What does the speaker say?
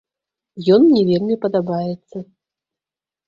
Ён мне вельмі падабаецца.